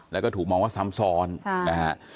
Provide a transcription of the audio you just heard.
แล้วก็ถูกมองว่าซ้ำซรณ